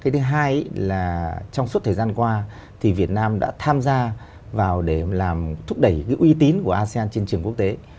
thứ hai là trong suốt thời gian qua việt nam đã tham gia vào để làm thúc đẩy uy tín của asean trên trường quốc tế